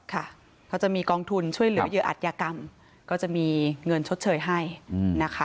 ค่ะเขาจะมีกองทุนช่วยเหลือเหยื่ออัตยากรรมก็จะมีเงินชดเชยให้นะคะ